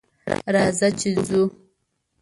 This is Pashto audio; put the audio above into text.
راځه چې یوځای ځو.